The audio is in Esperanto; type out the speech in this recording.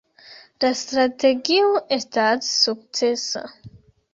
La strategio estas sukcesa.